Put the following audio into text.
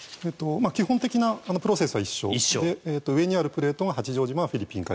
基本的なプロセスは一緒で上にあるプレートが八丈島はフィリピン海